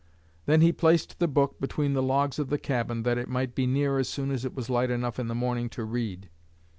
Then he placed the book between the logs of the cabin, that it might be near as soon as it was light enough in the morning to read.